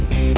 ya itu dia